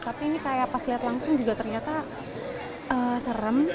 tapi ini kayak pas lihat langsung juga ternyata serem